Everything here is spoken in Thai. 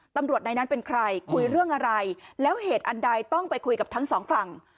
ตำรวจในนั้นเป็นใครคุยเรื่องอะไรแล้วเหตุอันใดต้องไปคุยกับทั้งสองฝั่ง